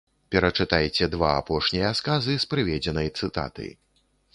Перачытайце два апошнія сказы з прыведзенай цытаты.